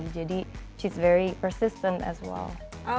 jadi dia sangat persisten juga